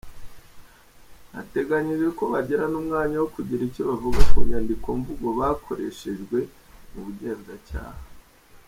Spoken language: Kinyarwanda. Biteganyijwe ko bagira n’umwanya wo kugira icyo bavuga ku nyandikomvugo bakoreshejwe mu bugenzacyaha.